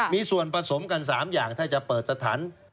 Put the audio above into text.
มีส่วนผสมกัน๓อย่างถ้าจะเปิดสถาน